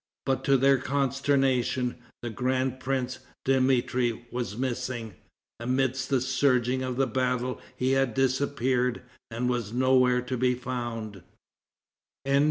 But to their consternation, the grand prince, Dmitri, was missing. Amidst the surgings of the battle he had disappeared, and was nowhere to be found.